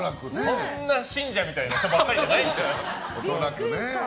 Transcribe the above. そんな信者みたいな人ばっかりじゃないですよ。